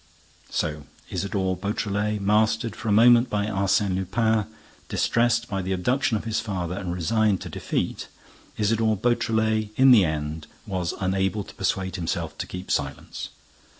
So Isidore Beautrelet, mastered for a moment by Arsène Lupin, distressed by the abduction of his father and resigned to defeat, Isidore Beautrelet, in the end, was unable to persuade himself to keep silence.